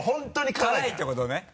辛いってことね。